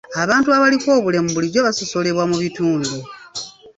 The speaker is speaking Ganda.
Abantu abaliko obulemu bulijjo basosolebwa mu bitundu.